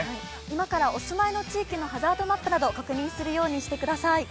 今からお住まいの地域のハザードマップなど確認するようにしてください。